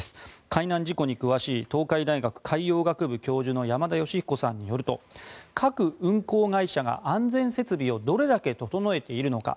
海難事故に詳しい東海大学海洋学部教授の山田吉彦さんによると各運航会社が安全設備をどれだけ整えているのか